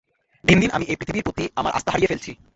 দিন দিন আমি এই পৃথিবীর প্রতি আমার আস্থা হারিয়ে ফেলছি।